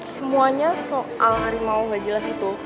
semuanya soal harimau gak jelas itu